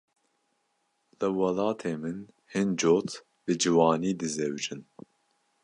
Li welatê min hin cot bi ciwanî dizewicin.